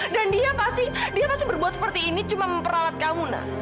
dan dia pasti dia pasti berbuat seperti ini cuma memperalat kamu na